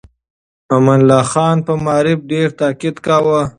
امان الله خان په معارف ډېر تاکيد کاوه.